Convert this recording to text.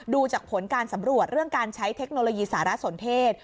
ดูจากผลการสำรวจเรื่องการใช้เทคโนโลยีสารสนเทศ